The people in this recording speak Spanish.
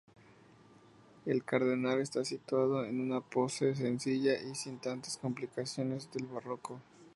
El cardenal está situado en una pose sencilla y sin tantas complicaciones del Barroco.